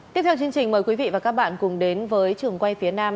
tiếp theo chương trình mời quý vị và các bạn cùng đến với trường quay phía nam